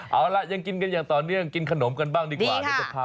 เอาล่ะยังกินกันอย่างตอนนี้กินขนมดีกว่า